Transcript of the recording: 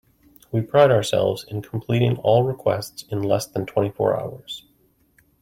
We pride ourselves in completing all requests in less than twenty four hours.